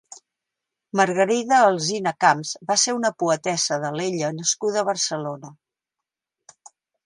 Margarida Alzina Camps va ser una poetessa d'Alella nascuda a Barcelona.